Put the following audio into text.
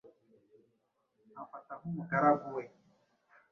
Amfata nk'umugaragu we.